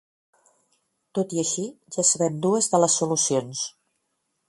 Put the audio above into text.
Tot i així, ja sabem dues de les solucions.